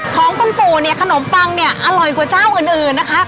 ของคุณปู่เนี่ยขนมปังเนี่ยอร่อยกว่าเจ้าอื่นนะคะ